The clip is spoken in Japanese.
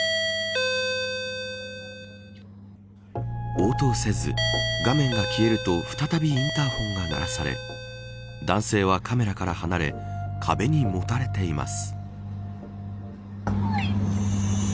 応答せず、画面が消えると再びインターホンが鳴らされ男性はカメラから離れ壁にもたれています。